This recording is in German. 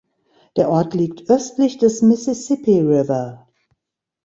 Der Ort liegt östlich des Mississippi River.